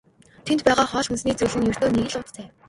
Тэнд байсан хоол хүнсний зүйл нь ердөө л нэг уут цай.